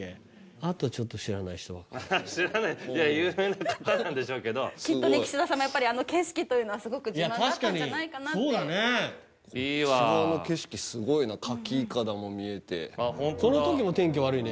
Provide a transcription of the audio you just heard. あとちょっと知らない人知らないいや有名な方なんでしょうけどきっとね岸田さんもやっぱりあの景色というのはすごく自慢だったんじゃないかなってこっち側の景色すごいな牡蠣いかだも見えてこの時も天気悪いね